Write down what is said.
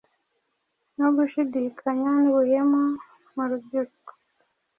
no gushidikanya n’ubuhemu mu rubyiruko.